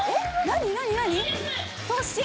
何？